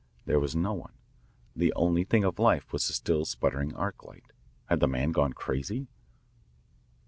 There was no one. The only thing of life was the still sputtering arc light. Had the man gone crazy?